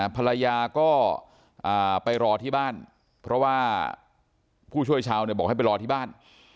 ภรรยาก็ไปรอที่บ้านเพราะว่าผู้ช่วยชาวเนี่ยบอกให้ไปรอที่บ้าน